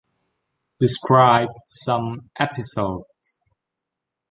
Describe some episodes.